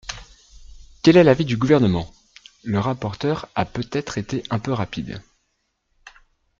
Quel est l’avis du Gouvernement ? Le rapporteur a peut-être été un peu rapide.